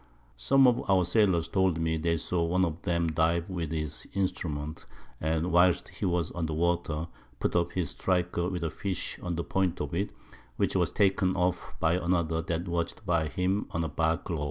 Some of our Sailors told me they saw one of 'em dive with his Instrument, and whilst he was under Water put up his Striker with a Fish on the Point of it, which was taken off by another that watch'd by him on a Bark Log.